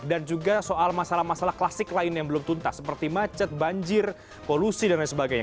dan juga soal masalah masalah klasik lain yang belum tuntas seperti macet banjir polusi dan lain sebagainya